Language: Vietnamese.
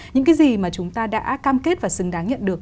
những cái gì mà chúng ta đã cam kết và xứng đáng nhận được